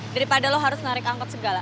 daripada lo harus narik angkot segala